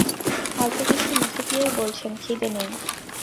অল্প কিছু মুখে দিয়েই বলছেন, খিদে নেই।